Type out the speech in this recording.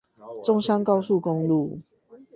中山高速公路